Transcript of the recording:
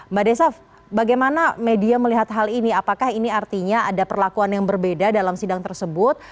mbak desaf bagaimana media melihat hal ini apakah ini artinya ada perlakuan yang berbeda dalam sidang tersebut